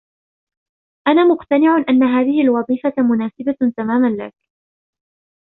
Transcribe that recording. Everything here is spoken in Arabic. أنا مقتنع أن هذه الوظيفة مناسبة تماماً لك.